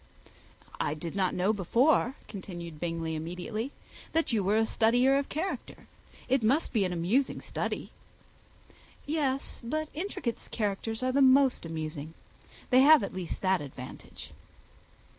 "I did not know before," continued Bingley, immediately, "that you were a studier of character. It must be an amusing study." "Yes; but intricate characters are the most amusing. They have at least that advantage."